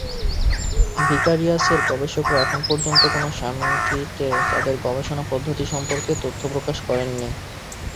ভিকারিয়াসের গবেষকেরা এখন পর্যন্ত কোনো সাময়িকীতে তাঁদের গবেষণাপদ্ধতি সম্পর্কে তথ্য প্রকাশ করেননি।